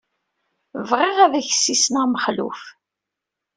Bɣiɣ ad ak-d-ssissneɣ Mexluf.